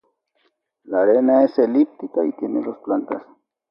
La arena es elíptica y tiene dos plantas.